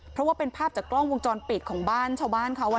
เพราะว่าเป็นภาพจากกล้องวงจรปิดของบ้านชาวบ้านเขา